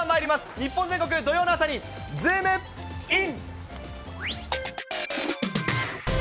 日本全国土曜の朝にズームイン！！